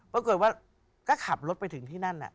ก็เกิดว่าก็ขับรถไปถึงที่นั่นน่ะ